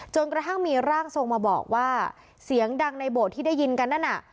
กระทั่งมีร่างทรงมาบอกว่าเสียงดังในโบสถ์ที่ได้ยินกันนั่นน่ะ